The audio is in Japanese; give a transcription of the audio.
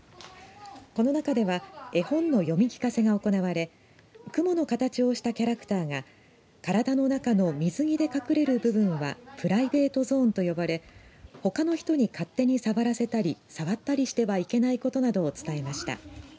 この中では絵本の読み聞かせが行われ雲の形をしたキャラクターが体の中の水着で隠れる部分はプライベートゾーンと呼ばれほかの人に勝手にさわらせたりさわったりしてはいけないことなどを伝えました。